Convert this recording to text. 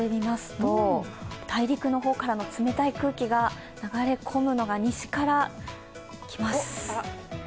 大陸の方からの冷たい空気が流れ込むのが西から来ます。